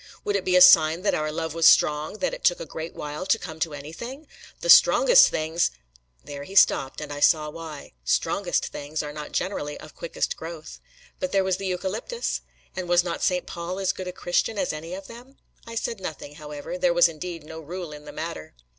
"Would it be a sign that our love was strong, that it took a great while to come to anything? The strongest things " There he stopped, and I saw why: strongest things are not generally of quickest growth! But there was the eucalyptus! And was not St. Paul as good a Christian as any of them? I said nothing, however: there was indeed no rule in the matter!